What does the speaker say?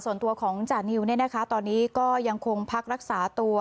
ส่วนตัวของจานิวเนี่ยนะคะตอนนี้ก็ยังคงพักรักษาตัว